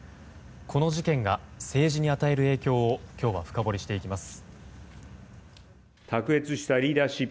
この事件が政治に与える影響を深掘りしていきます。